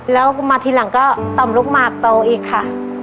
แล้วมาทีหลังก็ต่อมลูกหมากโตอีกค่ะ